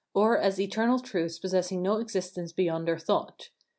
] or as eternal truths possessing no existence beyond our thought.